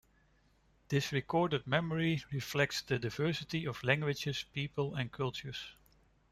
This recorded memory reflects the diversity of languages, people, and cultures.